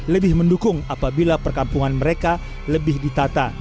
lebih mendukung apabila perkampungan mereka lebih ditata